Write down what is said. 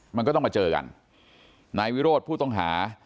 มันก็ต้องมาเจอกันนายวิโรธผู้ต้องหา